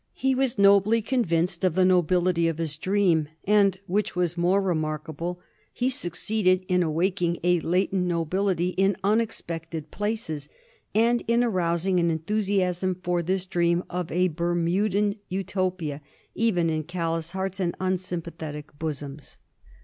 He was nobly convinced of the nobility of his dream, and, which was more remark able, he succeeded in awaking a latent nobility in unex pected places, and in arousing an enthusiasm for this dream of a Bermudan Utopia even in callous hearts and unsympathetic bosoms.